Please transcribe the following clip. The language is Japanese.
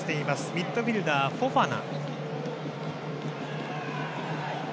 ミッドフィールダー、フォファナ。